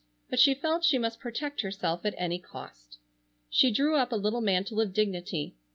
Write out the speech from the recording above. But she felt she must protect herself at any cost. She drew up a little mantle of dignity.